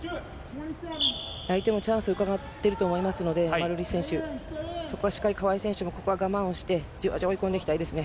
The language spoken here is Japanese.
相手もチャンス伺っていると思いますので、マルーリス選手、そこはしっかり川井選手も、我慢をして、じわじわ追い込んでいきたいですね。